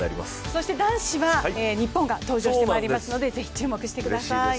そして男子は日本が登場してまいりますので注目してください。